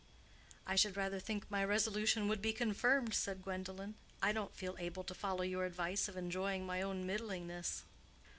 "I should rather think my resolution would be confirmed," said Gwendolen. "I don't feel able to follow your advice of enjoying my own middlingness."